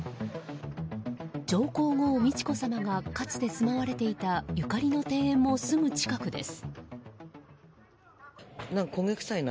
上皇后・美智子さまがかつて住まわれていたゆかりの邸宅もすぐ近くです。